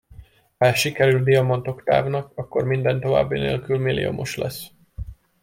Ha ez sikerül Diamant Oktávnak, akkor minden további nélkül milliomos lesz.